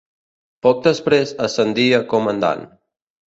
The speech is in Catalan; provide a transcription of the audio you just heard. Poc després ascendí a comandant.